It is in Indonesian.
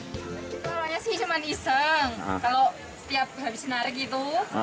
kalaunya sih cuman iseng kalau setiap habis menarik gitu